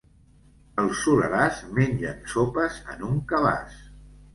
Al Soleràs mengen sopes en un cabàs.